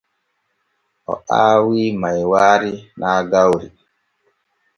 O aawi maywaari naa gawri.